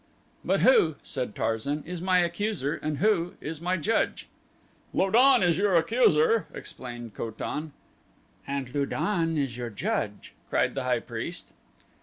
"But who," said Tarzan, "is my accuser and who is my judge?" "Lu don is your accuser," explained Ko tan. "And Lu don is your judge," cried the high priest.